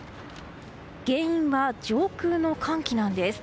原因は上空の寒気なんです。